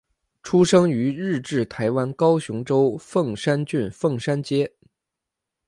出生于日治台湾高雄州凤山郡凤山街。